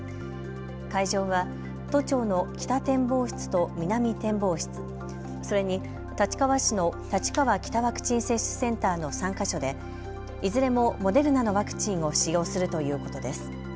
会場は、都庁の北展望室と南展望室、それに立川市の立川北ワクチン接種センターの３か所でいずれもモデルナのワクチンを使用するということです。